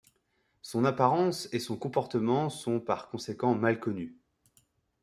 Son apparence et son comportement sont par conséquent mal connues.